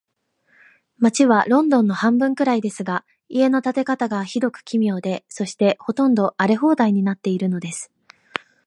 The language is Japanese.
街はロンドンの半分くらいですが、家の建て方が、ひどく奇妙で、そして、ほとんど荒れ放題になっているのです。